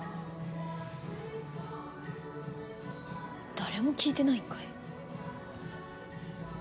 誰も聴いてないんかい。